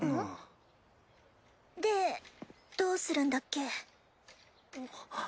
でどうするんだっけ。